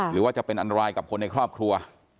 หรือว่าจะเป็นอันตรายกับคนในครอบครัว